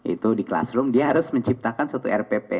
itu di classroom dia harus menciptakan suatu rpp